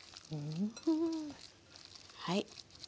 はい。